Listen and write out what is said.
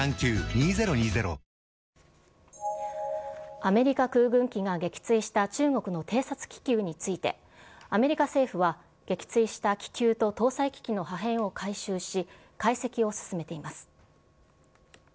アメリカ空軍機が撃墜した中国の偵察気球について、アメリカ政府は、撃墜した気球と搭載機器の破片を回収し、解析を進めています。